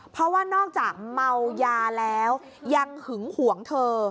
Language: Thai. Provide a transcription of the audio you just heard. เพราะว่านอกจากเมายาแล้วยังหึงหวงเธอ